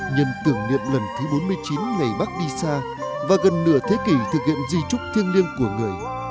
nhân tưởng niệm lần thứ bốn mươi chín ngày bác đi xa và gần nửa thế kỷ thực hiện di trúc thiêng liêng của người